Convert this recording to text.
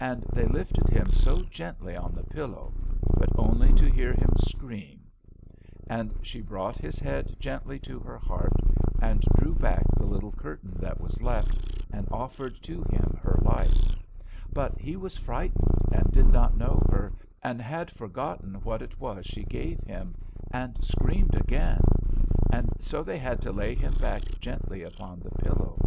And they lifted him so gently on the pillow, but only to hear him scream. And she brought his head gently to her heart, and drew back the little curtain that was left, and offered to him her life; but he was frightened, and did not know her, and had forgotten what it was she gave him, and screamed again; and so they had to lay him back gently upon the pillow.